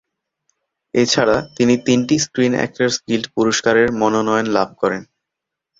এছাড়া তিনি তিনটি স্ক্রিন অ্যাক্টরস গিল্ড পুরস্কারের মনোনয়ন লাভ করেন।